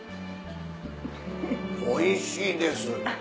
おいしいです。